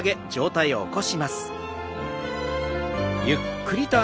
ゆっくりと。